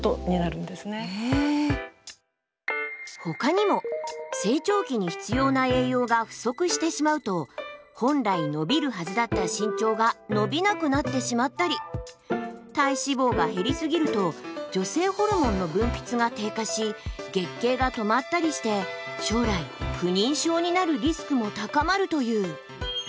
他にも成長期に必要な栄養が不足してしまうと本来伸びるはずだった身長が伸びなくなってしまったり体脂肪が減りすぎると女性ホルモンの分泌が低下し月経が止まったりして将来不妊症になるリスクも高まるという。